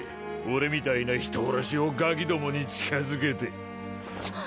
俺みたいな人殺しをガキどもに近づけてちょ